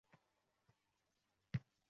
Agar qaytmasam uni ukamga olib beringlar